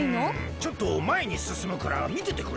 ちょっとまえにすすむからみててくれ！